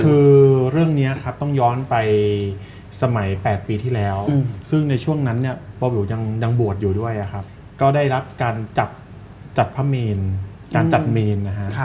คือเรื่องนี้ครับต้องย้อนไปสมัย๘ปีที่แล้วซึ่งในช่วงนั้นเนี่ยเบาวิวยังบวชอยู่ด้วยครับก็ได้รับการจัดพระเมนการจัดเมนนะฮะ